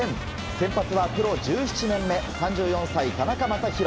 先発はプロ１７年目３４歳、田中将大。